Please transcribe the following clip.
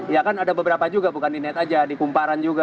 ya kan ada beberapa juga bukan di net aja di kumparan juga